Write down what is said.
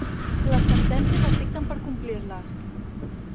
Les sentències es dicten per complir-les.